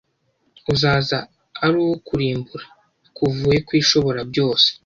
uzaza ari uwo kurimbura kuvuye ku Ishoborabyose